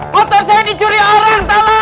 motor saya dicuri orang